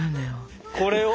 これを。